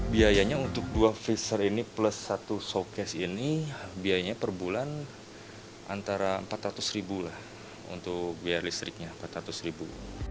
biayanya untuk dua freezer ini plus satu showcase ini biayanya per bulan antara empat ratus ribu lah untuk biaya listriknya empat ratus ribu